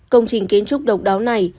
công trình kiến trúc độc đáo này